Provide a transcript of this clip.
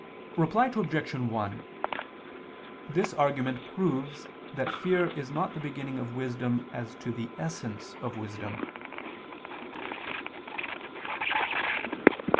Reply Obj. 1: This argument proves that fear is not the beginning of wisdom as to the essence of wisdom.